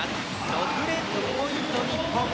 ６連続ポイント、日本。